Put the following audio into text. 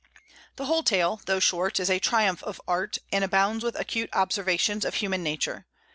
The whole tale, though short, is a triumph of art and abounds with acute observations of human nature.